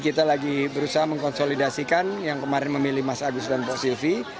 kita lagi berusaha mengkonsolidasikan yang kemarin memilih mas agus dan pak silvi